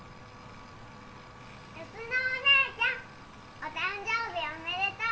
「泰乃お姉ちゃんお誕生日おめでとう！」